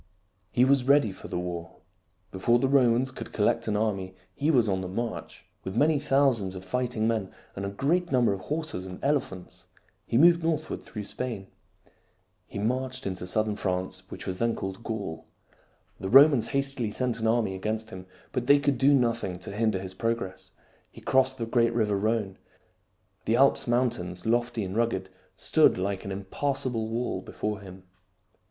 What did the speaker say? He was ready for the war. Before the Romans could collect an army he was on the march. With many thousands of fighting men and a great num ber of horses and elephants, he moved northward through Spain. He marched into southern France, which was then called Gaul. The Romans hastily sent an army against him, but they could do nothing to hinder his progress. He crossed the great river Rhone. The Alps mountains, lofty and rugged, stood like an impassable wall before him.